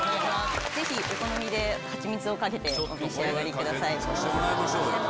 ぜひお好みで蜂蜜をかけてお召し上がりください。